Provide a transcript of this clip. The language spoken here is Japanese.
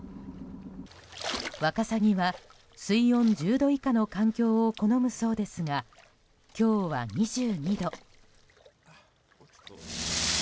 ワカサギは、水温１０度以下の環境を好むそうですが今日は２２度。